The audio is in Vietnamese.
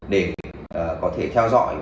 để có thể theo dõi